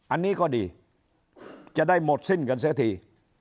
อันนี้ก็ดีจะได้หมดสิ้นกันเสียที